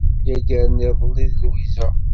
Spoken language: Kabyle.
Myagren iḍelli d Lwiza.